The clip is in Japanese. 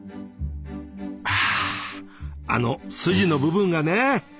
はあのスジの部分がね